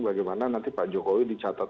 bagaimana nanti pak jokowi dicatat